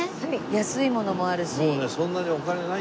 安いものもあるし。